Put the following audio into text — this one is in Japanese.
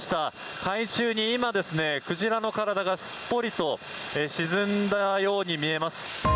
海中に今、鯨の体がすっぽりと沈んだように見えます。